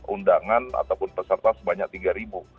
undangan ataupun peserta sebanyak tiga